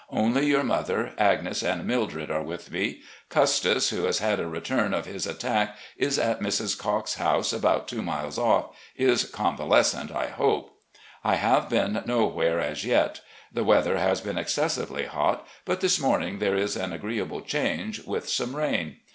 Only yom mother, Agnes, and Mildred are with me. Custis, who has had a return of his at tack ... is at Mrs. Cocke's house, about two miles off — ^is convalescent, I hope. I have been nowhere as yet. The weather has been excessively hot, but this morning there is an agreeable change, with some rain.